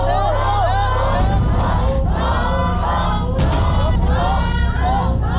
ถูกต้อง